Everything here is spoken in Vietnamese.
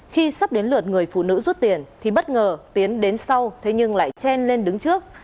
khi sắp đến lượt người phụ nữ rút tiền thì bất ngờ tiến đến sau thế nhưng lại chen lên đứng trước